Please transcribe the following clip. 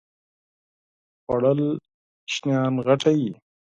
خوړل ماشوم غټوي